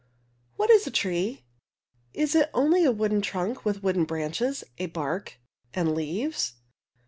What is a tree? Is it only a wooden trunk with wooden branches, a bark and leaves?